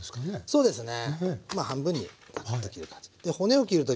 そうですね。